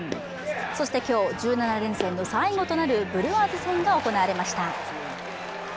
そして今日、１７連戦の最後となるブルワーズ戦が行われました。